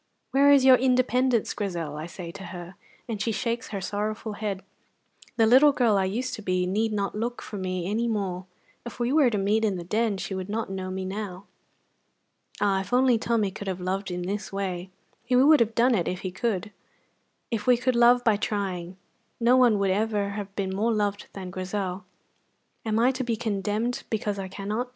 'Where is your independence, Grizel?' I say to her, and she shakes her sorrowful head. The little girl I used to be need not look for me any more; if we were to meet in the Den she would not know me now." Ah, if only Tommy could have loved in this way! He would have done it if he could. If we could love by trying, no one would ever have been more loved than Grizel. "Am I to be condemned because I cannot?"